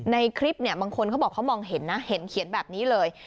ในคลิปเนี่ยบางคนเขาบอกเขามองเห็นนะเห็นเขียนแบบนี้เลย